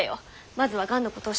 まずはがんのことを知って。